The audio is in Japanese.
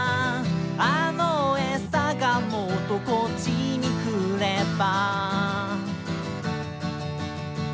「あの餌がもっとこっちに来れば」